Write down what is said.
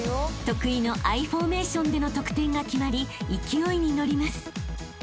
［得意のＩフォーメーションでの得点が決まり勢いに乗ります］